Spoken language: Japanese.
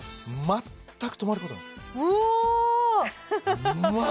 全く止まることがないすごい！